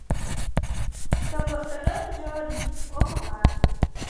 To goɗɗo ɗon jooɗi, a fotaay ndarooɗaa dow maako,